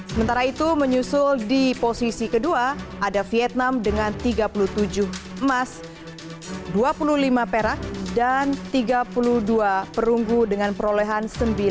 sementara itu menyusul di posisi kedua ada vietnam dengan tiga puluh tujuh emas dua puluh lima perak dan tiga puluh dua perunggu dengan perolehan sembilan belas